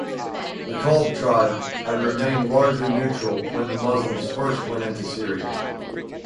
The Kalb tribe had remained largely neutral when the Muslims first went into Syria.